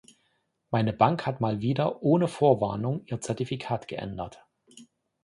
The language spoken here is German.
Meine Bank hat mal wieder ohne Vorwarnung ihr Zertifikat geändert.